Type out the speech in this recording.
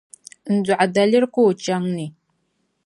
n-dɔɣi daliri ka o chaŋ ni.